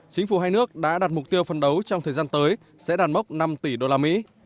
chính phủ hai nước đã đặt mục tiêu phân đấu trong thời gian tới sẽ đàn mốc năm tỷ đô la mỹ